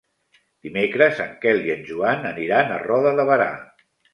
Dimecres en Quel i en Joan aniran a Roda de Berà.